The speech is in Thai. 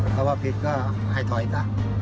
ถ้าว่าผิดก็ให้ถอยซะ